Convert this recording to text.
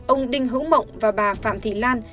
ông đinh hữu mộng và bà phạm thị lan